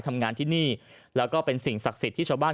ทำงานที่นี่แล้วก็เป็นสิ่งศักดิ์สิทธิ์ที่ชาวบ้าน